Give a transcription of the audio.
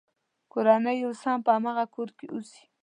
کورنۍ یې اوس هم په هماغه کور کې اوسي.